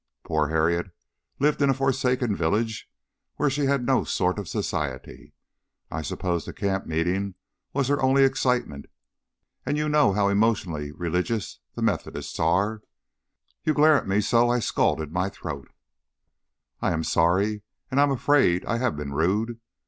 Poor Harriet lived in a forsaken village where she had no sort of society; I suppose the camp meeting was her only excitement. And you know how emotionally religious the the Methodists are You glare at me so I scalded my throat." "I am sorry, and I am afraid I have been rude.